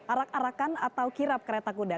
arak arakan atau kirap kereta kuda